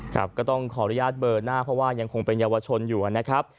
ครับก็ต้องขออนุญาตเบอร์หน้าเพราะว่ายังคงเป็นเยาวชนอยู่นะครับ